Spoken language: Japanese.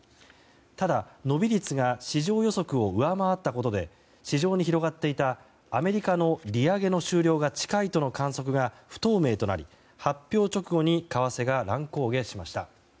ただ、伸び率が市場予測を上回ったことで市場に広がっていたアメリカの利上げの終了が近いとの観測が不透明となり発表直後に為替が乱高下しました。